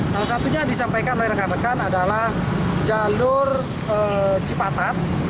salah satunya yang disampaikan oleh rekan rekan adalah jalur cipatat